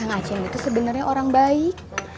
kang aceng itu sebenernya orang baik